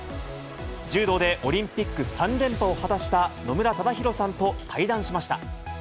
柔道でオリンピック３連覇を果たした野村忠宏さんと対談しました。